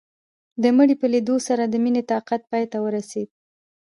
د مړي په ليدو سره د مينې طاقت پاى ته ورسېد.